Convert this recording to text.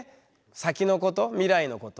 先のこと未来のこと。